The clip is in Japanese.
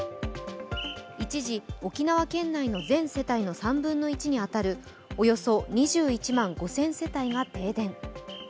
一時、沖縄県内の全世帯の３分の１に当たるおよそ２１万５０００世帯が停電。